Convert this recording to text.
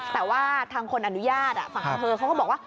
แต่ว่าทางคนอนุญาตอ่ะฝั่งเข้าเข้าเค้าบอกว่า